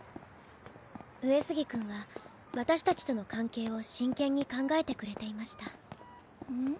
上杉君は私達との関係を真剣に考えてくれていましたうん？